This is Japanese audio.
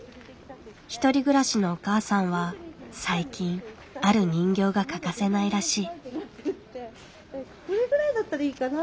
１人暮らしのお母さんは最近ある人形が欠かせないらしい。